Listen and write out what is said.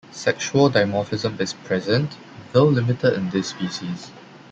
Sexual dimorphism is present, though limited in this species.